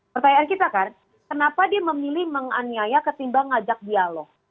pertanyaan kita kan kenapa dia memilih menganiaya ketimbang ngajak dialog